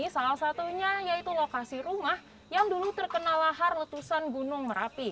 salah satunya yaitu lokasi rumah yang dulu terkena lahar letusan gunung merapi